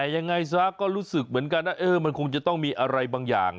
ยังไงซะก็รู้สึกเหมือนกันว่ามันคงจะต้องมีอะไรบางอย่าง